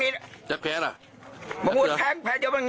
แล้วมือหับ